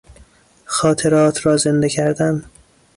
خاطرات را زنده کردن